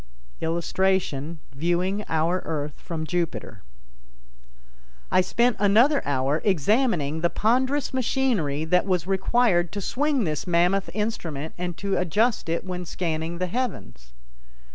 [Illustration: Viewing Our Earth from Jupiter.] I spent another hour examining the ponderous machinery that was required to swing this mammoth instrument and to adjust it when scanning the heavens.